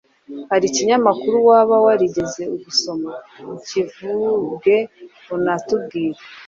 Hari ikinyamakuru waba warigeze gusoma? Kivuge unatubwire